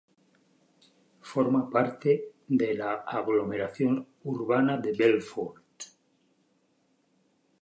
Forma parte de la aglomeración urbana de Belfort.